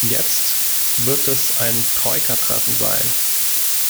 Jetzt wird es ein Troika-Treffen sein.